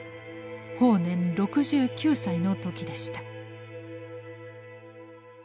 法然６９歳の時でした。